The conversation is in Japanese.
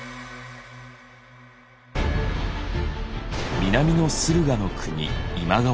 南の駿河国今川氏